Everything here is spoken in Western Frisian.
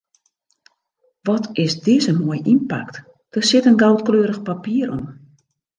Wat is dizze moai ynpakt, der sit in goudkleurich papier om.